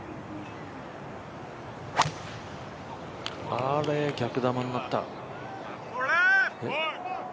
あれ、逆球になった。